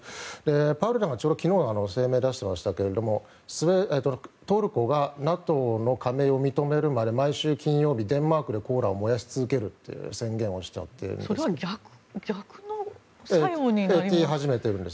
パルダンはちょうど昨日声明を出していましたけれどもトルコがＮＡＴＯの加盟を認めるまで毎週金曜日、デンマークでコーランを燃やし続けるという宣言をしたというんです。